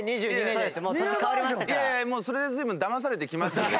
いやいやもうそれで随分だまされてきましたので。